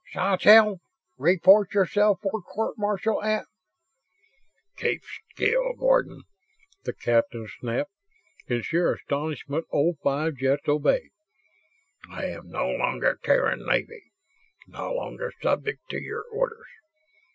"Sawtelle, report yourself for court martial at ..." "Keep still, Gordon," the captain snapped. In sheer astonishment old Five Jets obeyed. "I am no longer Terran Navy; no longer subject to your orders.